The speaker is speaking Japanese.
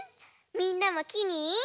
みんなもきに。